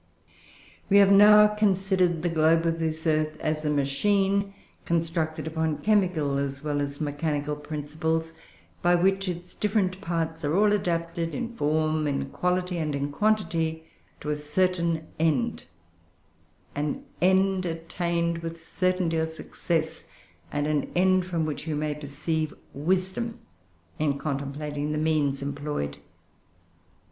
"We have now considered the globe of this earth as a machine, constructed upon chemical as well as mechanical principles, by which its different parts are all adapted, in form, in quality, and in quantity, to a certain end; an end attained with certainty or success; and an end from which we may perceive wisdom, in contemplating the means employed.